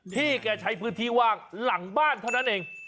พี่แกใช้พื้นที่ว่างหลังบ้านเท่านั้นเอง